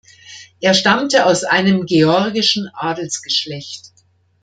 Er stammte aus einem georgischen Adelsgeschlecht.